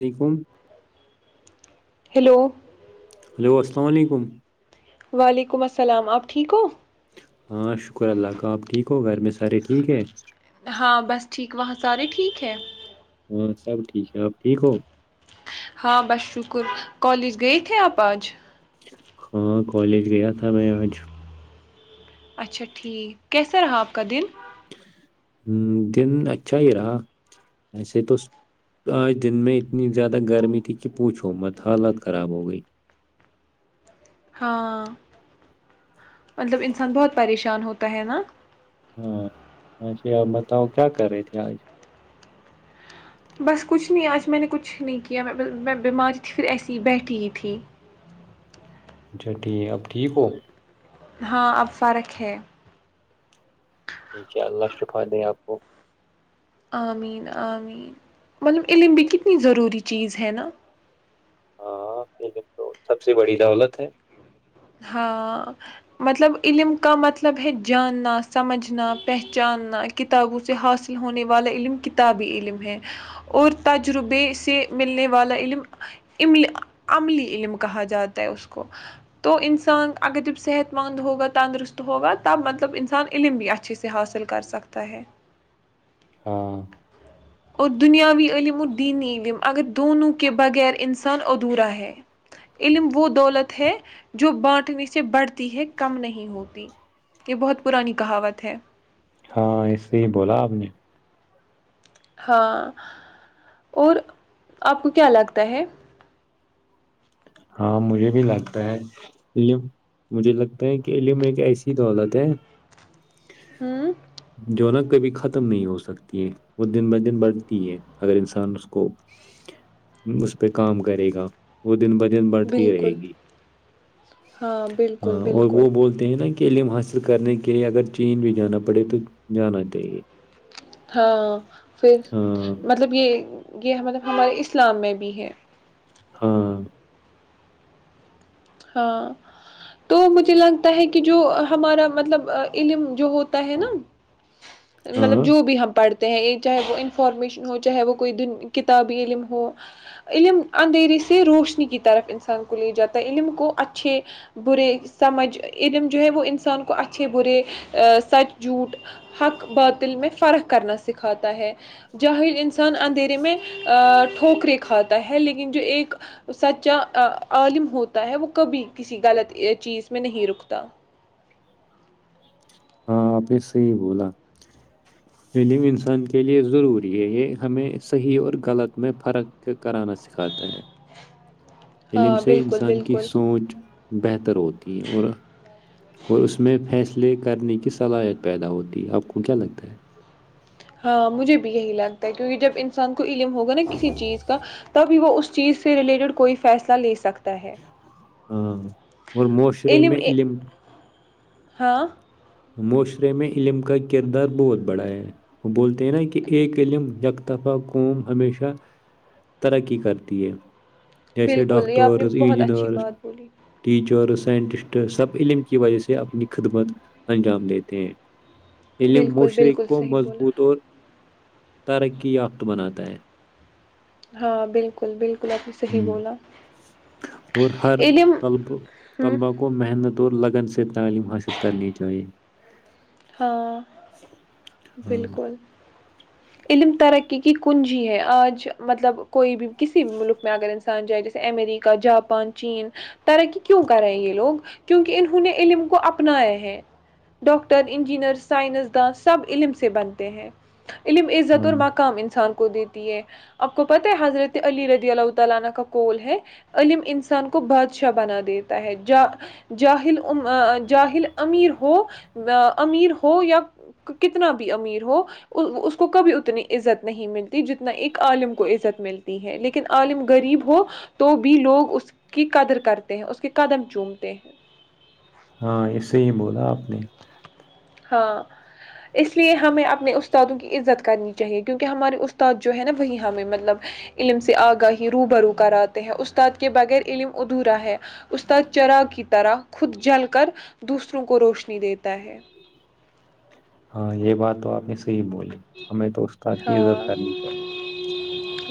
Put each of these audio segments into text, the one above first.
become hello hello السلام علیکم وعلیکم السلام آپ ٹھیک ہو ہاں شکر اللہ کا آپ ٹھیک ہو گھر میں سارے ٹھیک ہے ہاں بس ٹھیک وہاں سارے ٹھیک ہے ہاں سب ٹھیک ہے آپ ٹھیک ہو ہاں بس شکر کالج گئے تھے آپ آج ہاں کالج گیا تھا میں آج اچھا ٹھیک کیسا رہا آپ کا دن ہ دن اچھا ہی رہا ایسے تو آج دن میں اتنی زیادہ گرمی تھی کہ پوچھو مت حالت خراب ہو گئی ہاں مطلب انسان بہت پریشان ہوتا کہ نا ہاں پچھے بتاؤ کیا کرے تھے آج بس کچھ نہیں آج میں نے کچھ نہیں کیا میں بیماری تھی پھر ایسی ہی بیٹھی ہی تھی اچھا ٹھیک اب ٹھیک ہو ہاں اب فرق ہے ٹھیک ہے اللہ شفا دیں آپ کو آمین آمین مطلب علم بھی کتنی ضروری چیز ہے نا ہاں پ تو سب سے بڑی دولت ہے ہاں مطلب علم کا مطلب ہے جاننا سمجھنا پہچاننا کتابوں سے حاصل ہونے والا علم کتابی علم ہے اورتجربے سے ملنے والا علممل عملی علم کہا جاتا ہے اس کو تو انسان اگر جب صحت مند ہوگا تندرست ہوگا تب مطلب انسان علم بھی اچھے سے حاصل کر سکتا ہے ہاں اور دنیاوی علم اور دینی علم اگر دونوں کے بغیر انسان ادھورا ہے علم وہ دولت ہے جو بانٹنے سے بڑھتی ہے کم نہیں ہوتی یہ بہت پرانی کہاوت ہے ہاں اس سے ہی بولا آپ نے ہاں اور آپ کو کیا لگتا ہے ہاں مجھے بھی لگتا ہے مجھے لگتا ہے کہ عم ایک ایسی دولت ہے ہوں جوونک کبھی ختم نہیں ہو سکتی ہے وہ دن ب دن بڑھتی ہے اگر انسان اس کو اس پہ کام کرے گا وہ دن ب د ن بڑھتی رہے بالکل گی ہاں بالکل ہاں اور بالکل وہ بولتے ہیں نا کہ علم حاصل کرنے کے لیے اگر چین بھی جانا پڑے تو جانا چاہیے ہاں پھر ہاں مطلب یہ یہ مطلب ہمارے اسلام میں بھی ہے ہاں ہاں تو مجھے لگتا ہے کہ جو ہمارا مطلب علم جو ہوتا ہے نا مطلب ہاں جو بھی ہم پڑھتے ہیں چاہے وہ انفارمیشن ہو چاہے وہ کوئی کتابی علم ہو علم اندھیری سے روشنی کی طرف انسان کو لے جاتا ہے علم کو اچھے برے سمجھ علم جو ہے وہ انسان کو اچھے برے سچ جھوٹ حق باطل میں فرق کرنا سکھاتا ہے جاہل انسان اندھیرے میں ٹھوکرے کھاتا ہے لیکن جو ایک سچا عالم ہو ہے وہ کبھی کسی غلط چیز میں نہیں رکتا ہاں آپ نے صحیح بولا فلم انسان کے لیے ضروری ہے یہ ہمیں صحیح اور غلط میں فرق کرانا سکھاتا ہے علملم ہاں سے بالکل انسان کی بالکل سوچ بہتر ہوتی ہیں اور اور اس میں فیصلے کرنے کی صلاحیت پیدا ہوتی ہے آپ کو کیا لگتا ہے ہاں مجھے بھی یہی لگتا ہے کیونکہ جب انسان کو علم ہوگا نا کسی چیز کا تب وہ اس چیز سے ریلیٹڈ کوئی فیصلہ لے سکتا ہے ہاں اور معاشرے میں علم ہاں معاشرے میں علم کا کردار بہت بڑا ہے وہ بولتے ہیں نا کہ ایک علم یکتفہ قوم ہمیشہ ترقی کرتی ہے جیسے بالکل یہ آپ نے ڈاکٹرس بہت اچھی انجینرس بات بولی ٹیچرس سائنٹسٹ سب علم کی وجہ سے اپنی خدمت انجام دیتے ہیں علم بالکل مشرق بالکل کو صحیح بولا مضبوط اور ترقی یافت بناتا ہے ہاں بالکل بالکل آپ نے صحیح ہوں بولا اور ہر ای لیم ہ دور لگ سد تعلیم حاصل کرنیچ توئی ہاں ہاں بالکل علم ترقی کی کنجی ہے آج مطلب کوئی بھی کسی بھی ملک میں اگر انسان جائے جیسے امریکہ جاپان چین ترقی کیوں کرے یہ لوگ کیونکہ انہوں نے علم کو اپنایا ہیں ڈاکٹر ڈاکٹر انجینئر سائنس داں سب علم سے بنتے ہیں علم عزت ہاں اور مقام انسان کو دیتی ہے آپ کو پتا ہے حضرت علی رضی اللہ تعالی کا کوال ہے عم انسان کو بادشاہ بنا دیتا ہے جاہل جاہل امیر ہو امیر ہو یا کتنا بھی امیر ہو اس کو کبھی اتنی عزت نہیں ملتی جتنا ایک عالم کو عزت ملتی ہے لیکن عالم غریب ہو تو بھی لوگ اس کی قدر کرتے ہیں اس کے قدم چومتے ہیں ہاں ایسے ہی بولا آپ نے ہاں اس لیے ہمیں اپنے استادوں کی عزت کرنی چاہیے کیونکہ ہمارے استاد جو ہے نا وہی ہمیں مطلب علم سے آگاہی رو برو کراتے ہیں استاد کے بغیر علم ادھورا ہے استاد چرا کی طرح خود جل کر دوسروں کو روش نہیں ہوتا ہے ہاں یہ بات تو آپ نے صی بولے ہمیں تو استاق ہی اظ ہاں کرنی چاہیے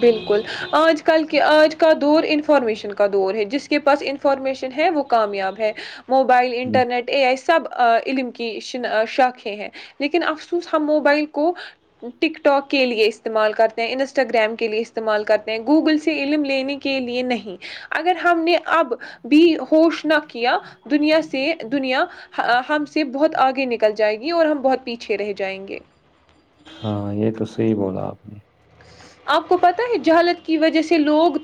بالکل آج کل کے آج کا دور انفارمیشن کا دور ہے جس کے پاس انفارمیشن ہے وہ کامیاب ہے موبائل ہوں انٹرنیٹ ا آ سب علم کی ش شاخے ہیں لیکن افسوس ہم موبائل کو ٹک ٹاک کے لیے استعمال کرتے ہیں انسٹاگرام کے لیے استعمال کرتے ہیں گوگل سے علم لینے کے لیے نہیں اگر ہم نے اب بھی ہوش نہ کیا دنیا سے دنیا ہم سے بہت آگے نکل جائے گی اور ہم بہت پیچھے رہ جائیں گے ہاں یہ تو صحی بولا آپ نے آپ کو پتہ ہے جہالت کی وجہ سے لوگ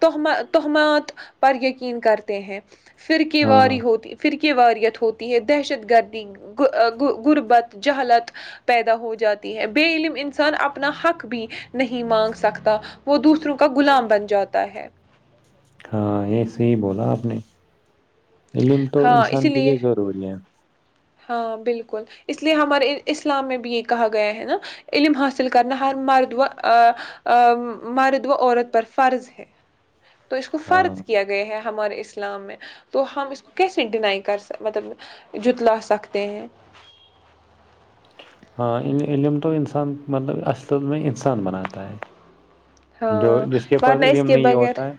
توہمات پر یقین کرتے ہیں پھر کی ہاں واری ہوتی پھر کی کی واریت ہوتی ہے دہشت گردی غربت جہلت پیدا ہو جاتی ہے بے علم انسان اپنا حق بھی نہیں مانگ سکتا وہ دوسر ر کا غلام بن جاتا ہے ہاں ایسے ہی بولا آپ نے علم تو ہاں اسی انسان کے لیے ضروری ہے ہاں بالکل اس لیے ہمارے اسلام میں بھی یہ کہا گیا ہے نا علم حاصل کرنا ہر مرد و مرد و عورت پر فرض ہے تو اس کو ہاں فرض کیا گیا ہے ہمارے اسلام میں تو ہم اس کو کیسے ڈنائی کر س مطلب جتلا سکتے ہیں ہاں علم تو انسان مطلب اسلد میں انسان بناتا ہے جو ہاں جس کے پاس ورنہ اس علم کے نہیں بغیر ہوتا ہے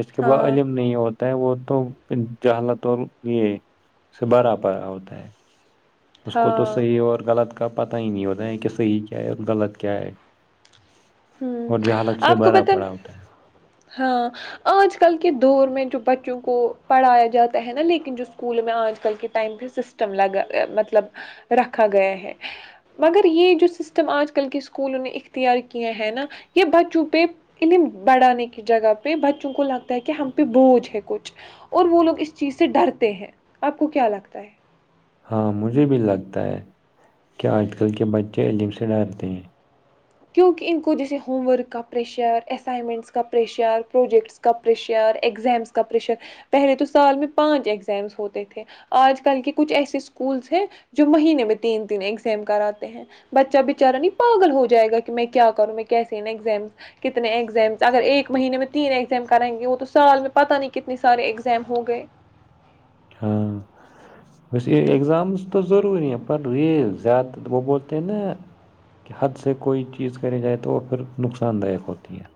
جس کے پاس ہاں علم نہیں ہوتا ہو وہ تو جہالات اور یہ س بھرا پا ہوتا ہے اس کو تو ہاں صحیح ہ اور غلط کا پتا ہی نہیں ہوتا یہ کہ صحیح کیا ہے اور غلط کیا ہے ہوں اور جہالت سے آپ کو بھرا پت پڑا ہوتا ہے ہاں آج کل کے دور میں جو بچوں کو پڑھایا جاتا ہے نا لیکن جو اسکولوں میں آج کل کے ٹائم پہ سسٹم لگا مطلب رکھا گیا ہے مگر یہ جو سسٹم آج کل کے اسکولوں نے اختیار ہیں نا یہ بچوں کے پہ انہیں بڑھانے کی جگہ پہ بچوں کو لگ تاکہ ہم پہ بوھ ہیکوچ اور وہ لوگ اس چیز سے ڈرتے ہیں آپ کو کیا لگتا ہے ہاں مجھے بھی لگتا ہے کہ آج کل کے بچے علم سے ڈرتے ہیں کیونکہ ان کو جیسے ہوم ورک کا پریشر اسائنمنٹس کا پریشر پروجیکٹس کا پریشر ایگزامس کا پریشر پہلے تو سال میں پانچ ایگزامس ہوتے تھے آج کل کے کچھ ایسے اسکولس ہیں جو مہینے میں تین تین ایگزام کراتے ہیں بچہ بچارا نہیں پاگل ہو جائے گا کہ کہ میں کیا کروں میں کیسے ایگزام کتنے ایگزام اگر ایک مہینے میں تین ایگزام کرائیں گے وہ تو سال میں پتہ نہیں کتنے سارے ایگزام ہو گئے ہاں ویسے ایگزامس تو ضروری ہیں پر ری زیادہ وہ بولتے ہیں نا کہ حد سے کوئی چیز کری جائے تو وہ پھر نقصان دایک ہوتی ہے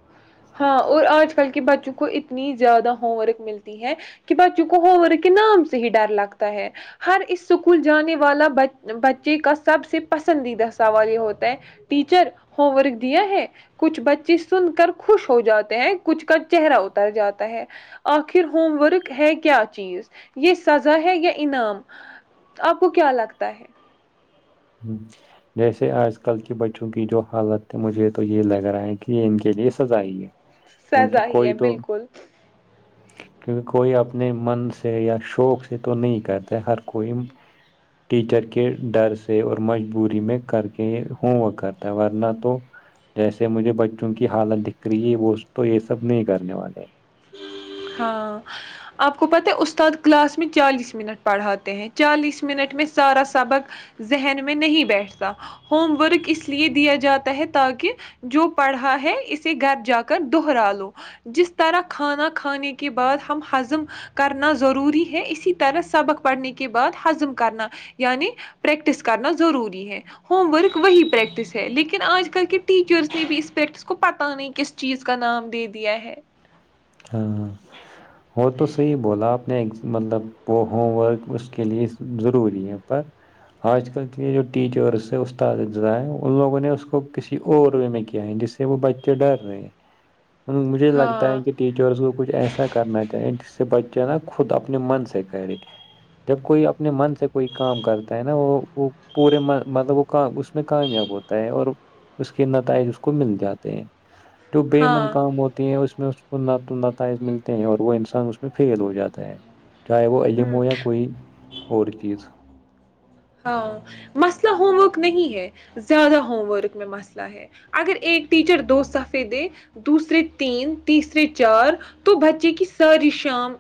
ہاں اور آج کل کے بچوں کو اتنی زیادہ ہوم ورک ملتی ہے کہ بچوں کو ہوم ورک کے نام سے ہی ڈر لگتا ہے ہر اس اسکول جانے والا بچے کا سب سے پسندیدہ سوال یہ ہوتا ہے ٹیچر ہوم ورک دیا ہے کچھ بچے سن کر خوش ہو جاتے ہیں کچھ کا چہرہ اتر جاتا ہے آخر ہوم ورک ہے کیا چیز یہ سزا ہے یا انعام آپ کو کیا لگتا ہے ہ جیسے آج کل کے بچوں کی جو حالت ہے مجھے تو یہ لگ رہا ہے کہ ان کے لیے سزا ہی ہے کیونکہ سزا ہی ہے کوئی تو بالکل کیونکہ کوئی اپنے من سے یا شوق سے تو نہیں کرتا ہر کوئی ٹیچر کے ڈر سے اور مجبوری میں کر کے ہوم ورک کرتا ہے ورنہ تو جیسے مجھے بچوں کی حالت دکھ رہی ہے وہ تو یہ سب نہیں کرنے والے ہاں آپ کو پتہ ہے استاد کلاس میں چالیس منٹ پڑھاتے ہیں چالیس منٹ میں سارا سبق ذہن میں نہیں بیٹھتا ہوم ورک اس لیے دیا جاتا ہے تاکہ جو پڑھا ہے اسے گھر جا کر دہرا لو جس طرح کھانا کھانے کے بعد ہم ہضم کرنا ضروری ہے اسی طرح سبق پڑھنے کے بعد ہضم کرنا یعنی پریکٹس کرنا ضروری ہے ہوم ورک وہی پریکٹس ہے لیکن آج کل کے ٹیچرس نے بھی اس پریکٹس کو پتہ نہیں کس چیز کا نام دے دیا ہے ہاں وہ تو صحیح بولا آپ نے مطلب وہ ہوم ورک اس کے لیے ضروری ہے پر آج کل کے جو ٹیچرس ہے استادذ ان لوگوں نے اس کو کسی اور وے میں کیا ہے جس سے وہ بچے ڈر رہے ہیں مجھے لگتا ہاں ہے کہ ٹیچرس کو کچھ ایسا کرنا چاہے جس سے ب جو ہے نا خود اپنے من سے کہے جب کوئی اپنے من سے کوئی کام کرتا ہے نا وہ وہ پورے من مطلب وہ کا اس میں کامیاب ہوتا ہے اور اس کے نتائج اس کو مل جاتے ہیں جو ہاں، بےمن کام ہوتے ہیں اس میں میں انت نتائج ملتے ہیں اور وہ انسان اس میں فیل ہو جاتا ہے چاہے وہ علم ہوں، ہو یا کوئی اور چیز ہاں مسئلہ ہوم ورک نہیں ہے زیادہ ہوم ورک میں مسئلہ ہے اگر ایک ٹیچر دو صفحے دے دوسرے تین تیسرے چار تو بچے کی ساری شام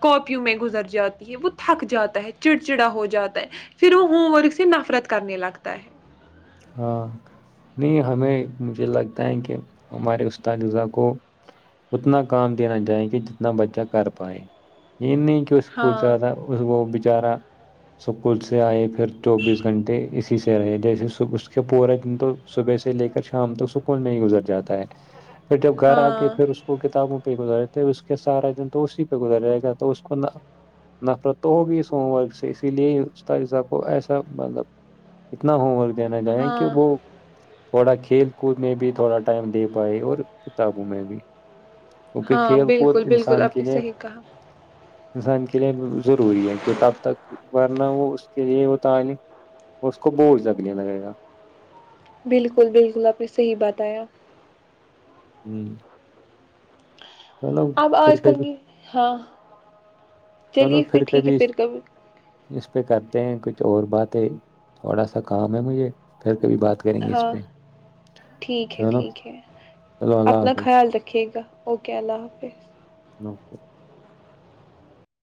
کاپیوں میں گزر جاتی ہے وہ تھک جاتا ہے چڑچڑا ہو جاتا ہے پھر وہ ہوم ورک سے نفرت کرنے لگتا ہے ہاں نہیں ہمیں مجھے لگتا ہے کہ ہمارے استادذہ کو اتنا کام دینا چاہیں کہ جتنا بچہ کر پائے یہ نہیں کہ اس کو ہاں، زیادہ اس کو بچارا سکول سے آئے پھر چوبیس گھنٹے اسی سے رہے جیسے اس کے پورے دن تو صبح سے لے کر شام تک سکول میں ہی گزر جاتا ہے پھر جب گھر آ ہاں، کے پھر اس کو کتابوں پہ گزارےتےے اس کے سارا دن تو اسی پہ گزار جائے گا تو اس کو نفرت تو ہوگی اس ہوم ورک سے اسی لیے اسذہ کو ایسا مطلب اتنا ہوم ورک دینا جائےیں کہ ہاں، وہ تھوڑا کھیل کود میں بھی تھوڑا ٹائم دے پائے اور کتابوں میں بھی کیونکہ ہاں کھیل کود بالکل بالکل انسان آپ کے نے لیے صحیح کہا انسان کے لیے ضروری ہے کہ تب تک ورنہ ہو اس کے لیے وہ تعلق اس کو بھول سکتا ک لگے گا بالکل بالکل آپ نے صحیح بات آیا ہوں چلو اب پھر آج کل کبھی کی ہاں، چلو پھر کبھی اس پہ کرتے ہیں کھ چ اور بات ہے تھوڑا سا کام ہے مجھے پھر کبھی بات کریں گے اس ہاں پہ ٹھیک ہے چلو ٹھیک ہے چلو اللہ اپنا خیال رکھیے گا اوکے اللہ حافظ نوکے